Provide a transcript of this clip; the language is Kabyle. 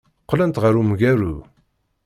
Qqlent ɣer umgaru.